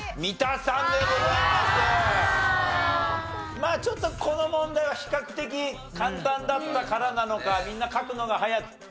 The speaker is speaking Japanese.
まあちょっとこの問題は比較的簡単だったからなのかみんな書くのが早くって。